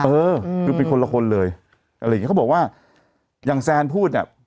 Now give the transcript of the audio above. เออคือเป็นคนละคนเลยอะไรอย่างเงี้เขาบอกว่าอย่างแซนพูดเนี่ย